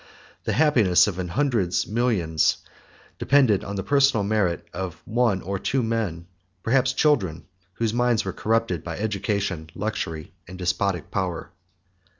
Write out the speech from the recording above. The happiness of a hundred millions depended on the personal merit of one or two men, perhaps children, whose minds were corrupted by education, luxury, and despotic power.